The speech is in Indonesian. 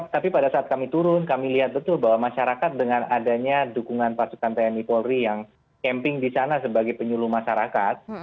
tapi pada saat kami turun kami lihat betul bahwa masyarakat dengan adanya dukungan pasukan tni polri yang camping di sana sebagai penyuluh masyarakat